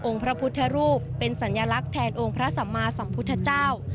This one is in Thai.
พระพุทธรูปเป็นสัญลักษณ์แทนองค์พระสัมมาสัมพุทธเจ้า